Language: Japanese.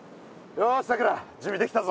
よしさくら準備できたぞ。